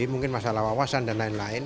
mungkin masalah wawasan dan lain lain